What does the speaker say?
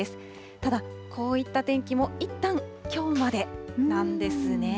ただ、こういった天気もいったんきょうまでなんですね。